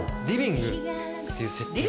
リビング？